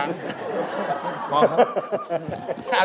มองครับ